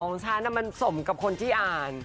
ของฉันน่ะมันสมกับคนที่อ่าน